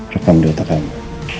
rekam di otak kamu